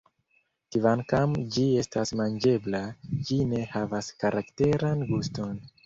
Kvankam ĝi estas manĝebla, ĝi ne havas karakteran guston.